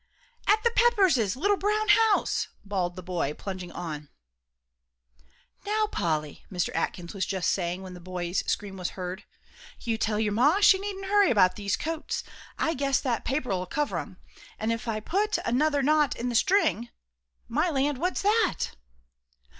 "At the Pepperses little brown house," bawled the boy, plunging on. "Now, Polly," Mr. Atkins was just saying, when the boy's scream was heard, "you tell your Ma she needn't hurry about these coats. I guess that paper'll cover 'em, if I put another knot in th' string. My land! what's that!